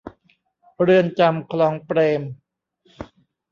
เรือนจำคลองเปรม